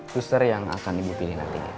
booster yang akan ibu pilih nanti